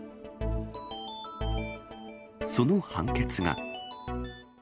その判決が。